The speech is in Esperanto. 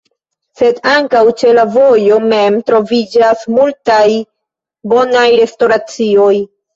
Sed ankaŭ ĉe la vojo mem troviĝas multaj bonaj restoracioj.